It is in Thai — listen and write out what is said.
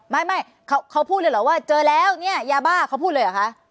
ไม่เขาพูดเลยเหรอว่าเจอแล้วเนี่ยยาบ้าเขาพูดเลยเหรอคะ